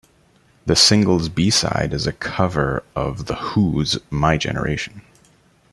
The single's B-side is a cover of The Who's "My Generation".